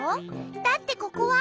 だってここは。